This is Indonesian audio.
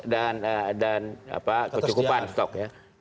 dan kecukupan stok